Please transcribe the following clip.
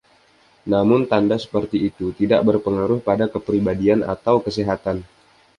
Namun, tanda seperti itu tidak berpengaruh pada kepribadian atau kesehatan.